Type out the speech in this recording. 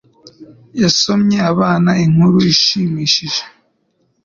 Yasomye abana inkuru ishimishije.